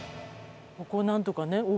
ここをなんとかね